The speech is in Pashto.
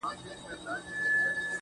د دوى دا هيله ده.